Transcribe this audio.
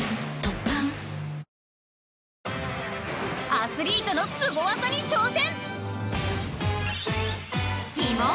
アスリートのすご技に挑戦！